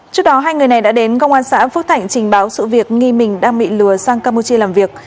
trước đó hai người này đã đến công an xã phước thạnh trình báo sự việc nghi mình đang bị lừa sang campuchia làm việc